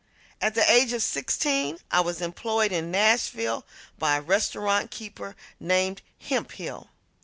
At the age of sixteen I was employed in Nashville by a restaurant keeper named Hemphill.